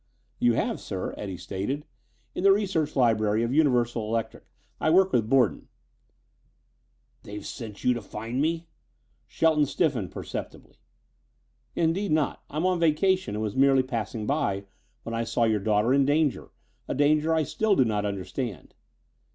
"You have, sir," Eddie stated. "In the research laboratory of Universal Electric. I work with Borden." "They've sent you to find me?" Shelton stiffened perceptibly. "Indeed, not, sir. I'm on vacation and was merely passing by when I saw your daughter in danger, a danger I still do not understand."